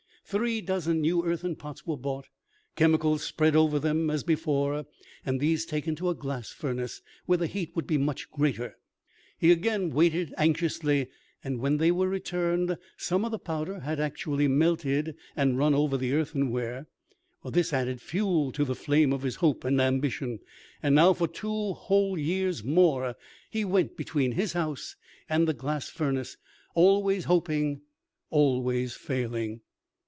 Three dozen new earthen pots were bought, chemicals spread over them as before, and these taken to a glass furnace, where the heat would be much greater. He again waited anxiously, and when they were returned, some of the powder had actually melted, and run over the earthenware. This added fuel to the flame of his hope and ambition. And now, for two whole years more, he went between his house and the glass furnace, always hoping, always failing.